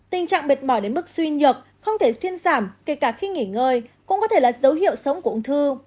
tình trạng mệt mỏi đến mức suy nhược không thể thuyên giảm kể cả khi nghỉ ngơi cũng có thể là dấu hiệu sống của ung thư